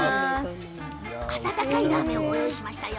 温かいラーメンをご用意しましたよ。